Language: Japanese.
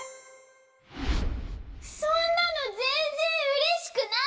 そんなのぜんぜんうれしくない！